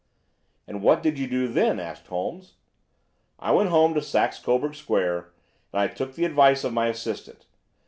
"And what did you do then?" asked Holmes. "I went home to Saxe Coburg Square, and I took the advice of my assistant.